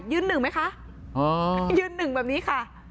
หนึ่งไหมคะยืนหนึ่งแบบนี้ค่ะ